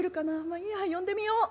まあいいや呼んでみよう」。